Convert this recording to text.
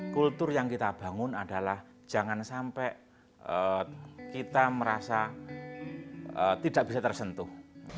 kultur yang kita bangun adalah jangan sampai kita merasa tidak bisa tersentuh